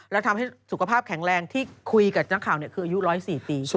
แล้วทำให้สุขภาพแข็งแรงที่คุยกับนักข่าวคืออายุ๑๐๔ปีใช่ไหม